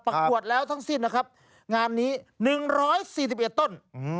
ประกวดแล้วทั้งสิ้นนะครับงานนี้๑๔๑ต้น